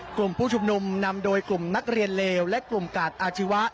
กลุ่มผู้ชุมนุมนำโดยกลุ่มนักเรียนเลวและกลุ่มกาดอาชีวะ